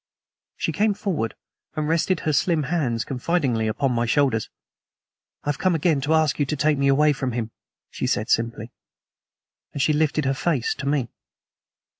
She came forward and rested her slim hands confidingly upon my shoulders. "I have come again to ask you to take me away from him," she said simply. And she lifted her face to me.